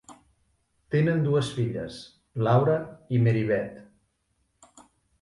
Tenen dues filles, Laura i Mary Beth.